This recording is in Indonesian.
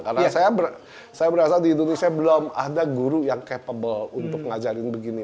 karena saya berasa di indonesia belum ada guru yang capable untuk ngajarin begini